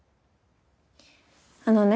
あのね